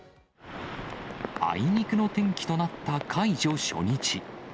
あいにくの天気となった解除初日。